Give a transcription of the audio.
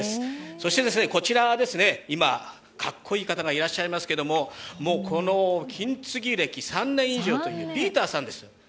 そして、今、かっこいい方がいらっしゃいますけど、金継ぎ歴３年以上というピーターさんです。